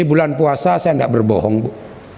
di bulan puasa saya tidak berbohong bu